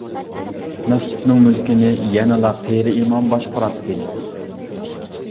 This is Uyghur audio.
مەسچىتنىڭ مۈلكىنى يەنىلا قېرى ئىمام باشقۇراتتى.